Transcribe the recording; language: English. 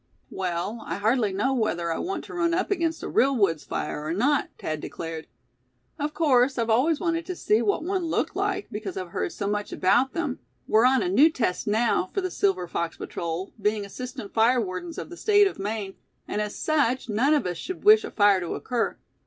"Well, I hardly know whether I want to run up against a real woods' fire, or not," Thad declared. "Of course, I've always wanted to see what one looked like, because I've heard so much about them; we're on a new test now, for the Silver Fox Patrol; being assistant fire wardens of the state of Maine; and as such none of us should wish a fire to occur.